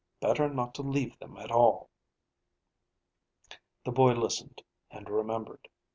Better not to leave them at all." The boy listened, and remembered.